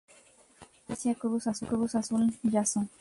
Franquicia Cruz Azul Jasso